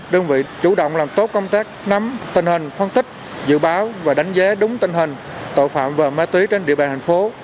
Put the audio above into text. đơn vị chủ động làm tốt công tác nắm tình hình phân tích dự báo và đánh giá đúng tình hình tội phạm và ma túy trên địa bàn thành phố